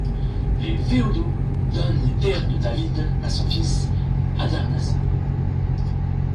Les féodaux donnent les terres de David à son fils Adarnassé.